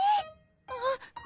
あっ！